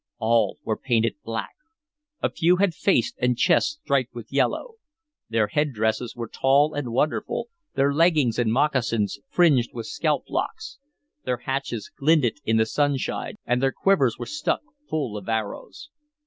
All were painted black; a few had face and chest striped with yellow. Their headdresses were tall and wonderful, their leggings and moccasins fringed with scalp locks; their hatchets glinted in the sunshine, and their quivers were stuck full of arrows.